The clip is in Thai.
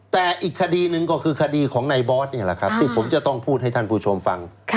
แต่อีกคดีหนึ่งก็คือคดีของในบอสนี่แหละครับที่ผมจะต้องพูดให้ท่านผู้ชมฟัง